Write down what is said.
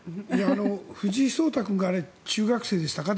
藤井聡太君が中学生でしたか。